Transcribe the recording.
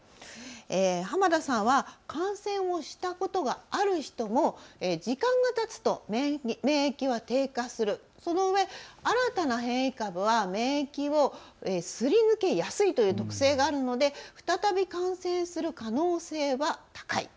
濱田さんは感染したことがある人も時間がたつと免疫は低下する、そのうえ新たな変異株は免疫をすり抜けやすいという特性があるので再び感染する可能性は高い。